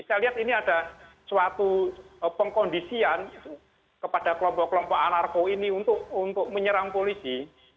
saya lihat ini ada suatu pengkondisian kepada kelompok kelompok anarko ini untuk menyerang polisi